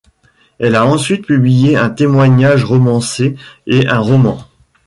Elle a ensuite publié un témoignage romancé et un roman.